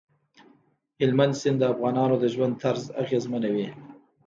هلمند سیند د افغانانو د ژوند طرز اغېزمنوي.